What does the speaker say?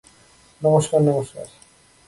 নমস্কার, নমস্কার।